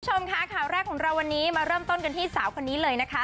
คุณผู้ชมค่ะข่าวแรกของเราวันนี้มาเริ่มต้นกันที่สาวคนนี้เลยนะคะ